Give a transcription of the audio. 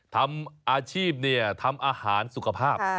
ทำอาชีพทำอาหารสุขภาพ